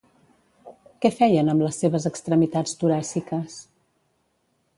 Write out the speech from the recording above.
Què feien amb les seves extremitats toràciques?